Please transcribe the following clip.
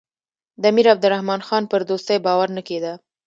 د امیر عبدالرحمن خان پر دوستۍ باور نه کېده.